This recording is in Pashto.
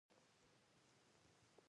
کلي د افغان کلتور په داستانونو کې دي.